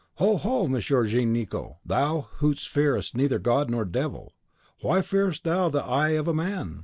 Ho, ho! Messire Jean Nicot, thou who fearest neither God nor Devil, why fearest thou the eye of a man?